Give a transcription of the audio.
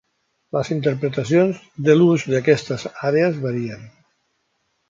Les interpretacions de l'ús d'aquestes àrees varien.